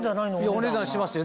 お値段しますよ。